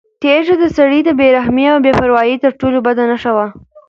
تیږه د سړي د بې رحمۍ او بې پروایۍ تر ټولو بده نښه وه.